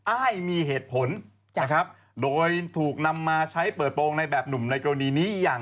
อ้ายมีเหตุผลนะครับโดยถูกนำมาใช้เปิดโปรงในแบบหนุ่มในกรณีนี้อย่าง